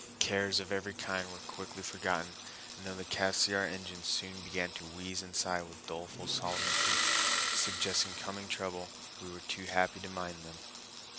Cares of every kind were quickly forgotten, and though the Cassiar engines soon began to wheeze and sigh with doleful solemnity, suggesting coming trouble, we were too happy to mind them.